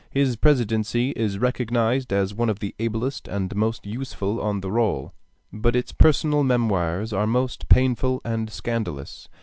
His Presidency is recognized as one of the ablest and most useful on the roll; but its personal memoirs are most painful and scandalous.